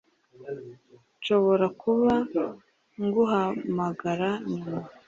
Nshobora kuba nguhamagara nyuma